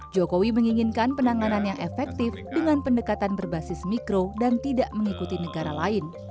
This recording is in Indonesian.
jokowi menginginkan penanganan yang efektif dengan pendekatan berbasis mikro dan tidak mengikuti negara lain